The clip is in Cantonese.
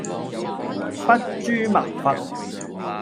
筆誅墨伐